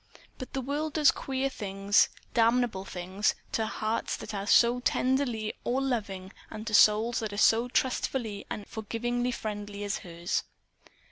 But the world does queer things damnable things to hearts that are so tenderly all loving and to souls that are so trustfully and forgivingly friendly as hers.